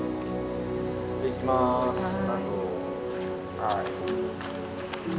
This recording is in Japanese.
はい。